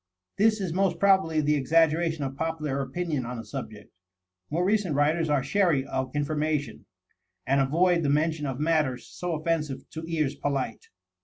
This is most probably the exaggeration of popular opinion on the subject. More recent writers are chary of information, and avoid the mention of matters so offensive to ears polite.